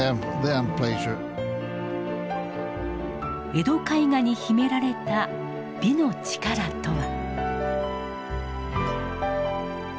江戸絵画に秘められた美の力とは。